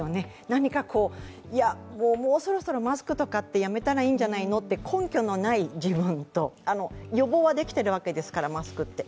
何か、いやもう、そろそろマスクとかってやめたらいいんじゃないのって根拠のない自分と、予防はできてるわけですから、マスクって。